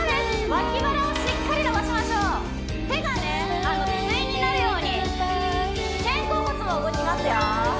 脇腹をしっかり伸ばしましょう手がね対になるように抱いていたいけど肩甲骨も動きますよ